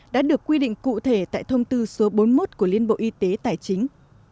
đã được quy định cụ thể tại thông tư số bốn mươi một của liên bộ y tế tài chính